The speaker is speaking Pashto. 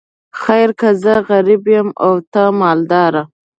خیر که زه غریب یم او ته مالداره.